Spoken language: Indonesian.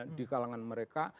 masih ada di kalangan mereka